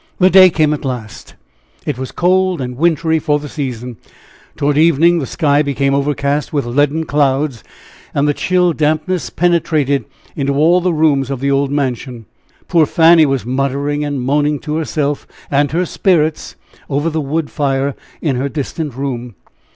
The day came at last it was cold and wintry for the season. Toward evening the sky became overcast with leaden clouds, and the chill dampness penetrated into all the rooms of the old mansion. Poor Fanny was muttering and moaning to herself and her "spirits" over the wood fire in her distant room.